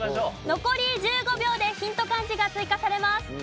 残り１５秒でヒント漢字が追加されます。